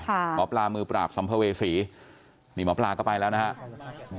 หมอปลามือปราบสัมภเวษีนี่หมอปลาก็ไปแล้วนะครับ